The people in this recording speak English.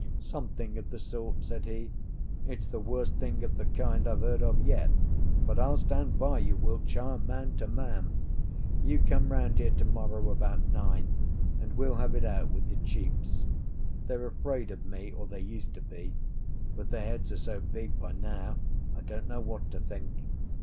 "Something of the sort," said he. "It's the worst thing of the kind I've heard of yet. But I'll stand by you, Wiltshire, man to man. You come round here to morrow about nine, and we'll have it out with the chiefs. They're afraid of me, or they used to be; but their heads are so big by now, I don't know what to think.